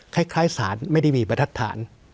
คล้ายศาลไม่ได้มีบรรทัศน์